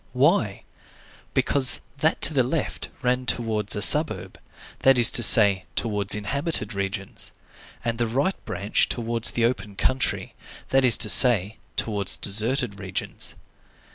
Why? Because that to the left ran towards a suburb, that is to say, towards inhabited regions, and the right branch towards the open country, that is to say, towards deserted regions.